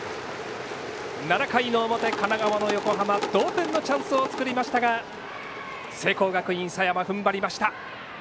７回の表、神奈川の横浜同点のチャンスを作りましたが聖光学院、佐山ふんばりました。